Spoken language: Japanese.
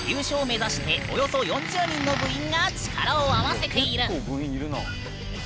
目指しておよそ４０人の部員が力を合わせている。